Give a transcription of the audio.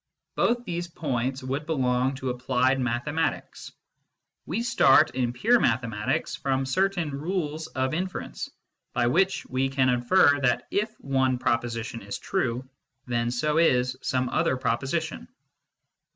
Both these points would belong to applied mathematics. We start, in pure mathematics, from certain rules of infer ence, by which we can infer that if one proposition is true, then so is some other proposition.